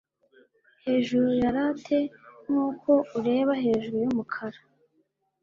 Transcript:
hejuru ya latte nkuko ureba hejuru yumukara